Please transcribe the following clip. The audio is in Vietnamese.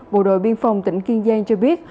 bộ đội biên phòng tỉnh kiên giang cho biết